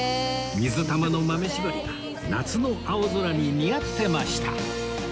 水玉の豆絞りが夏の青空に似合ってました